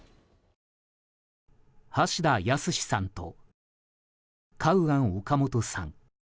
橋田康さんとカウアン・オカモトさん。